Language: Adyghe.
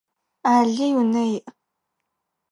Алый унэ иӏ.